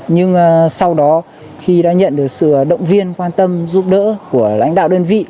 nhưng sau đó khi đã nhận được sự động viên quan tâm giúp đỡ của lãnh đạo đơn vị